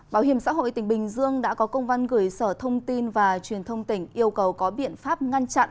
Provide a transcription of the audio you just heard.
bảo hiểm xã hội tỉnh bình dương đã có công văn gửi sở thông tin và truyền thông tỉnh yêu cầu có biện pháp ngăn chặn